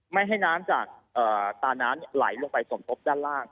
ไม่ให้น้ำจากตาน้ำไหลลงไปสมทบด้านล่าง